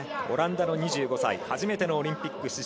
オランダの２５歳初めてのオリンピック